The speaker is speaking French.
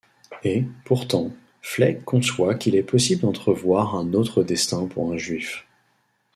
Et, pourtant, Fleg conçoit qu’il est possible d’entrevoir un autre destin pour un Juif.